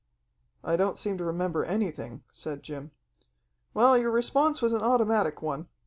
"I don't seem to remember anything," said Jim. "Well, your response was an automatic one.